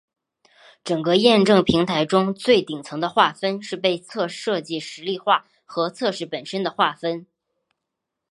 整个验证平台中最顶层的划分是被测设计实例化和测试本身的划分。